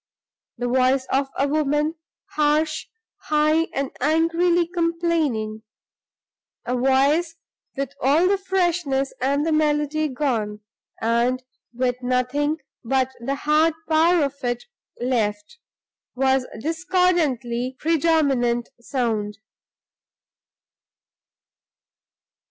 The voice of a woman, harsh, high, and angrily complaining a voice with all the freshness and the melody gone, and with nothing but the hard power of it left was the discordantly predominant sound.